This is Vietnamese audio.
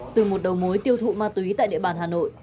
từ một đầu mối tiêu thụ ma túy tại địa bàn hà nội